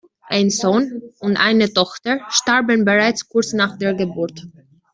Ein Sohn und eine Tochter starben bereits kurz nach der Geburt.